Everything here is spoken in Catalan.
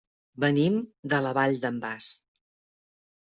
Venim de la Vall d'en Bas.